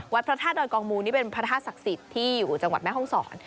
พระธาตุดอยกองมูลนี่เป็นพระธาตุศักดิ์สิทธิ์ที่อยู่จังหวัดแม่ห้องศร